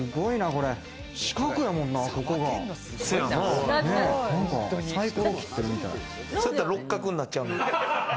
それやったら六角になっちゃう。